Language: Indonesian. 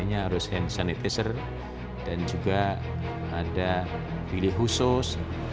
makanya harus hand sanitizer dan juga ada pilih khusus